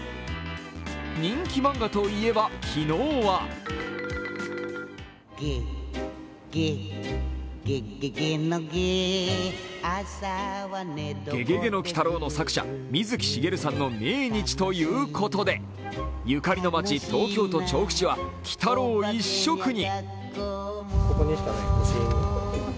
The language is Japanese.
人気漫画といえば、昨日は「ゲゲゲの鬼太郎」の作者水木しげるさんの命日ということでゆかりの街・東京都調布市は鬼太郎一色に。